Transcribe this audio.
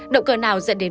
động cờ nào dẫn đến